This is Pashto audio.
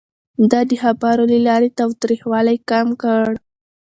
ده د خبرو له لارې تاوتريخوالی کم کړ.